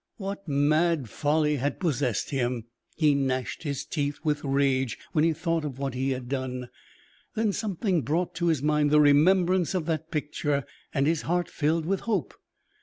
What mad folly had possessed him? He gnashed his teeth with rage when he thought of what he had done. Then something brought to his mind the remembrance of that picture, and his heart filled with hope.